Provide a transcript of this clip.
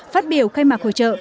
phát biểu khai mạc hội trợ